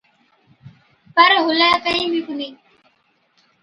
پَر هُلَي ڪهِين بِي ڪونهِي۔